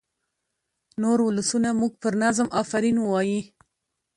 نور ولسونه مو پر نظم آفرین ووايي.